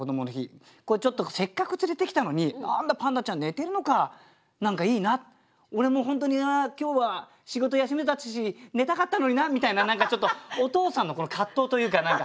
これちょっとせっかく連れてきたのに何だパンダちゃん寝てるのか何かいいな俺も本当に今日は仕事休めたし寝たかったのになみたいな何かちょっとお父さんの葛藤というか。